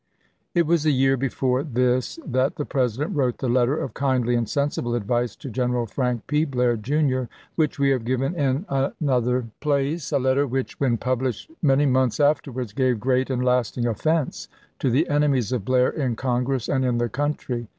It was a year before this that the President wrote the letter of kindly and sensible advice to General Frank P. Blair, Jr., which we have given in another J. P. USHER. CABINET CHANGES 337 place; a letter which, when published many months chap, xv, afterwards, gave great and lasting offense to the enemies of Blair in Congress and in the country.